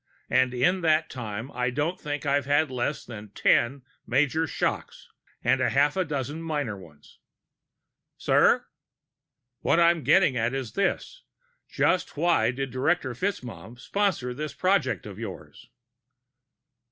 And in that time I don't think I've had less than ten major shocks and half a dozen minor ones." "Sir?" "What I'm getting at is this: just why did Director FitzMaugham sponsor this project of yours?"